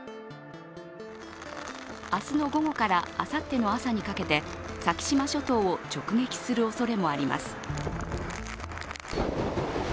明日の午後からあさっての朝にかけて先島諸島を直撃するおそれもあります。